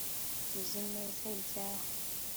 uzi neza ibyawe